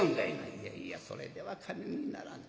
「いやいやそれでは金にならん。